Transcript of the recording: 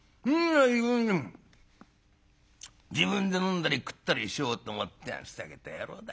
自分で飲んだり食ったりしようと思ってふざけた野郎だ」。